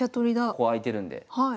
ここ開いてるんで。